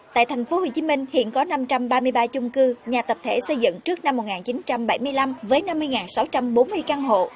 tại thành phố hồ chí minh hiện có năm trăm ba mươi ba chung cư nhà tập thể xây dựng trước năm một nghìn chín trăm bảy mươi năm với năm mươi sáu trăm bốn mươi căn hộ